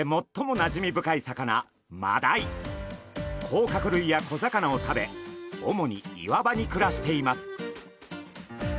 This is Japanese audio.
甲殻類や小魚を食べ主に岩場に暮らしています。